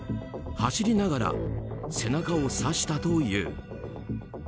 走りながら背中を刺したという。